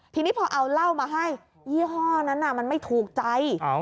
ทีนี้พอเอาเหล้ามาให้ยี่ห้อนั้นมันไม่ถูกใจ